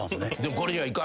これではいかんと。